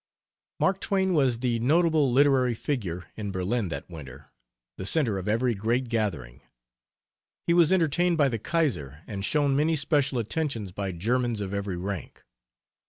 Mark Twain was the notable literary figure in Berlin that winter, the center of every great gathering. He was entertained by the Kaiser, and shown many special attentions by Germans of every rank.